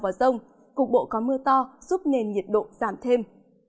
trong mưa rông cục bộ có mưa to giúp nền nhiệt độ giảm thêm